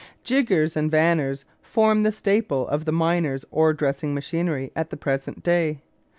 Jiggers and vanners form the staple of the miner's ore dressing machinery at the present day.